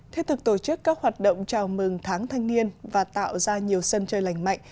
thiết thực tổ chức các hoạt động chào mừng tháng thanh niên và tạo ra nhiều sân chơi lành mạnh